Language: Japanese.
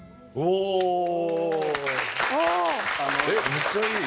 めっちゃいい！